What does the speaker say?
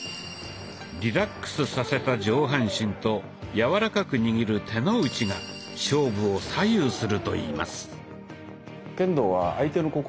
リラックスさせた上半身と柔らかく握る「手の内」が勝負を左右するといいます。